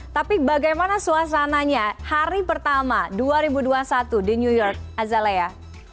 tapi bagaimana suasananya hari pertama dua ribu dua puluh satu di new york azalea